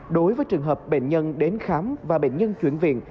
đối với trường hợp bệnh nhân đến khám và bệnh nhân chuyển viện